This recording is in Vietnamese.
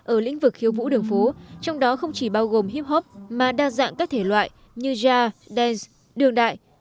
ở lĩnh vực khiêu vũ đường phố trong đó không chỉ bao gồm hip hop mà đa dạng các thể loại như jazz dance đường đại